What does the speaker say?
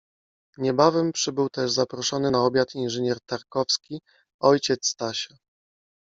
Niebawem przybył też zaproszony na obiad inżynier Tarkowski, ojciec Stasia.